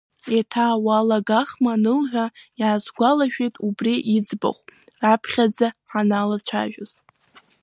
Еиҭа уалагахма, анылҳәа, иаасгәалашәеит убри иӡбахә раԥхьаӡа ҳаналацәажәоз.